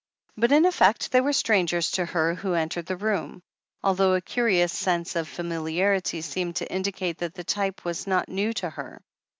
But in effect they were strangers to her who entered the room, although a curious sense of familiarity seemed to indicate that the type was not new to her.